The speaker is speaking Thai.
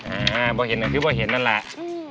อ่าพี่ปลอดเห็นนั่นนั่นแหละ